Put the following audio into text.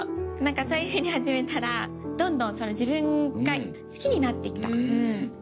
そういうふうに始めたらどんどん自分が好きになって来た。